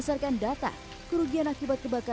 saya enggak sia sia membantu mereka